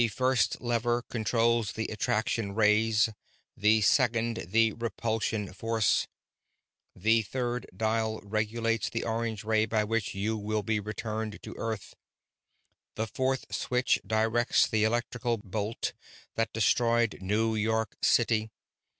"This first lever controls the attraction rays, the second the repulsion force. The third dial regulates the orange ray by which you will be returned to Earth. The fourth switch directs the electrical bolt that destroyed New York City.